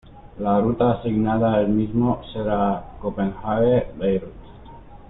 La ruta asignada al mismo será Copenhague-Beirut.